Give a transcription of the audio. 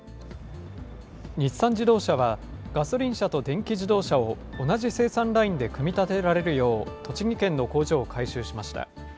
日産自動車は、ガソリン車と電気自動車を同じ生産ラインで組み立てられるよう、栃木県の工場を改修しました。